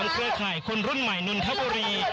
เครือข่ายคนรุ่นใหม่นนทบุรี